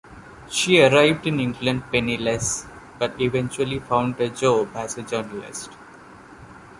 She arrived in England penniless, but eventually found a job as a journalist.